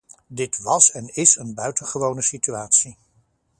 Dit was en is een buitengewone situatie.